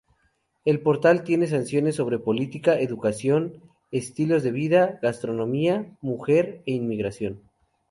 El portal tiene secciones sobre política, educación, estilos de vida, gastronomía, mujer e inmigración.